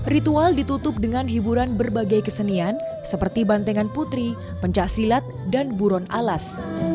ritual ditutup dengan hiburan berbagai kesenian seperti bantengan putri pencaksilat dan buron alas